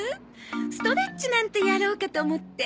ストレッチなんてやろうかと思って。